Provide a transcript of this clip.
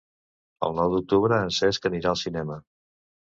El nou d'octubre en Cesc anirà al cinema.